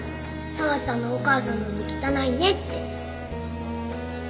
「佐和ちゃんのお母さんの手汚いね」って。